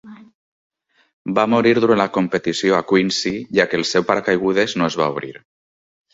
Va morir durant la competició a Quincy, ja que el seu paracaigudes no es va obrir.